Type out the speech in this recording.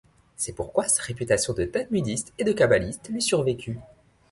C'est pourquoi sa réputation de talmudiste et de kabbaliste lui survécut.